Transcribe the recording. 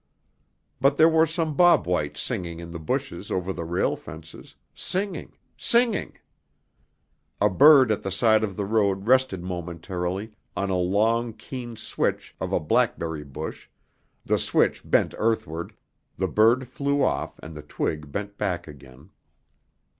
But there were some Bob Whites singing in the bushes over the rail fences, singing, singing! A bird at the side of the road rested momentarily on a long, keen switch of a blackberry bush, the switch bent earthward, the bird flew off and the twig bent back again.